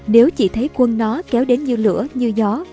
nếu chỉ thấy quân nó kéo đến như lửa như gió